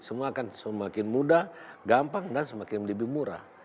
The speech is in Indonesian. semua akan semakin mudah gampang dan semakin lebih murah